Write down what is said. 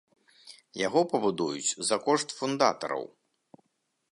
Яго пабудуюць за кошт фундатараў.